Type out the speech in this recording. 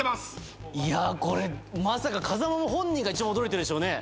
いやこれまさか風間も本人が一番驚いてるでしょうね。